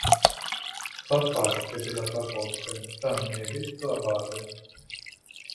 Fa parte della parrocchia di San Benedetto Abate.